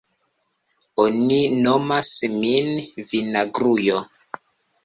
Oni nomas min vinagrujo.